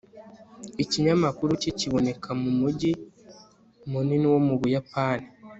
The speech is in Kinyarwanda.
ikinyamakuru cye kiboneka mu mujyi munini wo mu buyapani